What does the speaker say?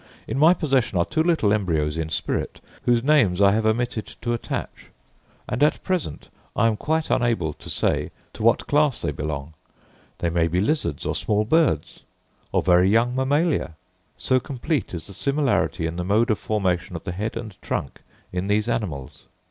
In my possession are two little embryos in spirit, whose names I have omitted to attach, and at present I am quite unable to say to what class they belong. They may be lizards or small birds, or very young mammalia, so complete is the similarity in the mode of formation of the head and trunk in these animals.